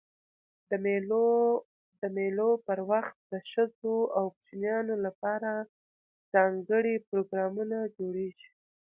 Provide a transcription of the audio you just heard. د مېلو پر وخت د ښځو او کوچنيانو له پاره ځانګړي پروګرامونه جوړېږي.